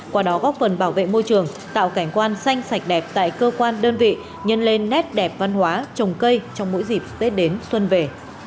qua đó góp phần bảo vệ môi trường tạo cảnh quan xanh sạch đẹp tại cơ quan đơn vị nhân lên nét đẹp văn hóa trồng cây trong mỗi dịp tết đến xuân về